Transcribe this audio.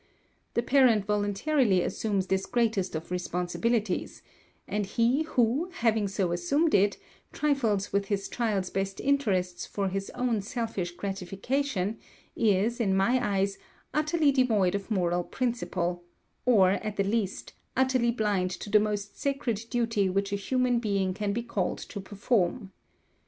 The parent voluntarily assumes this greatest of responsibilities; and he who, having so assumed it, trifles with his child's best interests for his own selfish gratification, is, in my eyes, utterly devoid of moral principle; or, at the least, utterly blind to the most sacred duty which a human being can be called to perform.